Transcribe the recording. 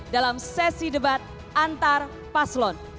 dalam sesi debat antar paslon